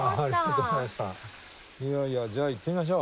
いやいやじゃあ行ってみましょう。